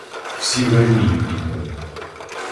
Всі веремію підняли.